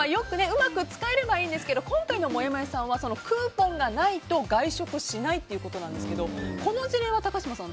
うまく使えればいいんですけど今回のもやもやさんはクーポンがないと外食しないということなんですけどこの事例は高嶋さん